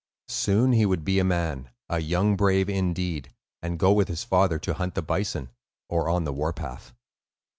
Soon he would be a man, a—young brave indeed,—and go with his father to hunt the bison, or on the warpath.